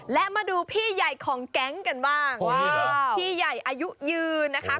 และมาดูพี่ใหญ่ของแก๊งกันบ้างพี่ใหญ่อายุยืนนะคะ